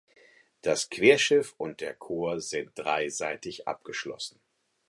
Das Querschiff und der Chor sind dreiseitig abgeschlossen.